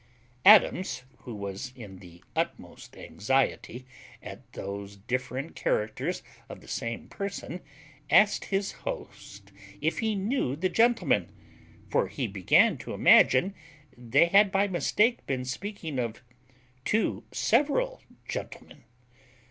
Adams, who was in the utmost anxiety at those different characters of the same person, asked his host if he knew the gentleman: for he began to imagine they had by mistake been speaking of two several gentlemen.